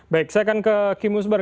baik saya akan ke kimus bar